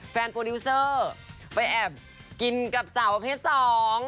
แฟนโปรดิวเซอร์ไปแอบกินกับสาวเพชรสอง